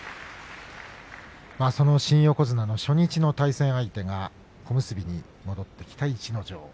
新横綱初日の対戦相手、小結に戻ってきた逸ノ城です。